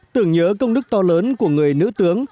tưởng nhớ công đức to lớn của người nữ tướng